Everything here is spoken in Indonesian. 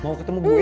mau ketemu gue